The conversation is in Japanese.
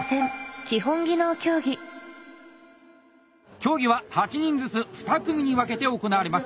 競技は８人ずつ２組に分けて行われます。